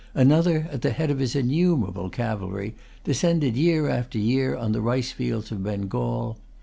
Another, at the head of his innumerable cavalry, descended year after year on the rice fields of Bengal.